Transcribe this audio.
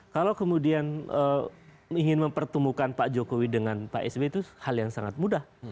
kalau kemudian ingin mempertemukan pak jokowi dengan pak sby itu hal yang sangat mudah